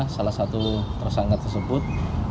salah satu tersangka tersebut